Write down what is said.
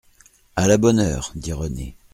À la bonne heure, dit Renée.